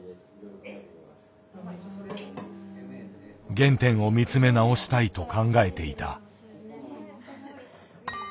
原点を見つめ直したいと考えていた。